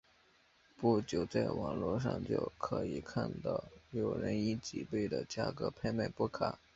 不久在网络上就可以看到有人以几倍的价格拍卖波卡。